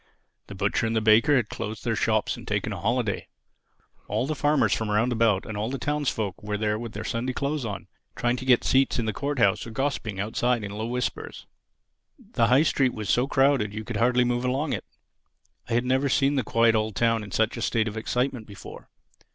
The butcher and the baker had closed their shops and taken a holiday. All the farmers from round about, and all the townsfolk, were there with their Sunday clothes on, trying to get seats in the Court house or gossipping outside in low whispers. The High Street was so crowded you could hardly move along it. I had never seen the quiet old town in such a state of excitement before.